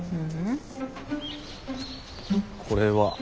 ううん。これは？